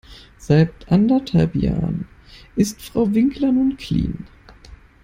Seit anderthalb Jahren ist Frau Winkler nun clean.